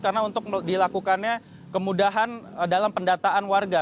karena untuk dilakukannya kemudahan dalam pendataan warga